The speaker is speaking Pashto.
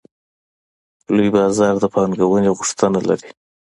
لوی بازار د پانګونې غوښتنه لري.